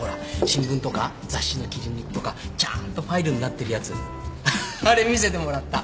新聞とか雑誌の切り抜きとかちゃんとファイルになってるやつあれ見せてもらった。